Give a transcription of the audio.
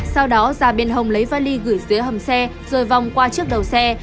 sau đó ra bên hồng lấy vali gửi dưới hầm xe rồi vòng qua trước đầu xe